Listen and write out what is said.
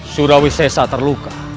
surawi saya terluka